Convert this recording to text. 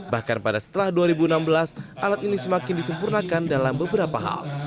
bahkan pada setelah dua ribu enam belas alat ini semakin disempurnakan dalam beberapa hal